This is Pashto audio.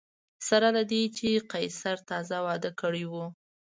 سره له دې چې قیصر تازه واده کړی و